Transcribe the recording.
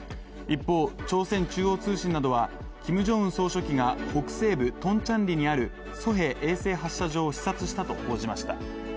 一方、朝鮮中央通信などはキム・ジョンウン総書記が北西部トンチャンリにあるソヘ衛星発射場を視察したと報じました。